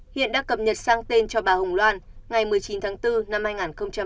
hiện đã cập nhật sang tên cho bà hồng loan ngày một mươi chín tháng bốn năm hai nghìn hai mươi